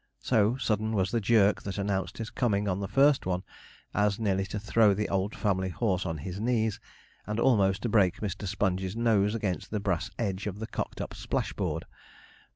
So sudden was the jerk that announced his coming on the first one, as nearly to throw the old family horse on his knees, and almost to break Mr. Sponge's nose against the brass edge of the cocked up splash board.